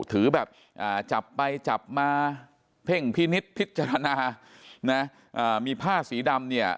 ถือแบบจับไปจับมาเพ่งพินิษฐ์พิจารณานะมีผ้าสีดำเนี่ย